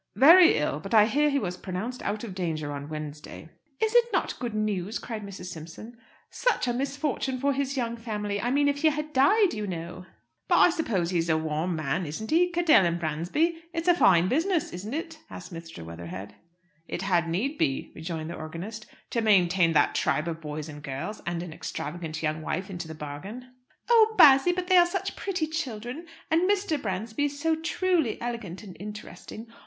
"Very ill. But I hear he was pronounced out of danger on Wednesday." "Is it not good news?" cried Mrs. Simpson. "Such a misfortune for his young family! I mean if he had died, you know." "But I suppose he's a warm man, isn't he? Cadell and Bransby it's a fine business, isn't it?" asked Mr. Weatherhead. "It had need be," rejoined the organist, "to maintain that tribe of boys and girls, and an extravagant young wife into the bargain." "Oh, Bassy, but they are such pretty children! And Mrs. Bransby is so truly elegant and interesting.